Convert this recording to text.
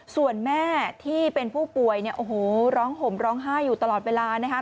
ส่วนแม่ที่เป็นผู้ป่วยเนี่ยโอ้โหร้องห่มร้องไห้อยู่ตลอดเวลานะคะ